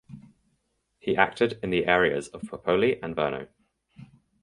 He acted in the areas of Popoli and Verno.